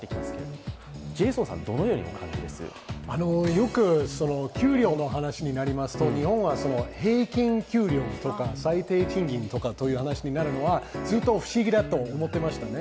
よく給料の話になりますと、日本は平均給料とか最低賃金という話になるのは、ずっと不思議だと思ってましたね。